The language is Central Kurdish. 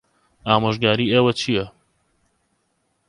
ئامۆژگاریی ئێوە چییە؟